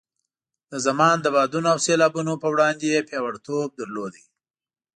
د زمان د بادونو او سیلاوونو په وړاندې یې پیاوړتوب درلود.